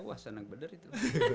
wah senang bener itu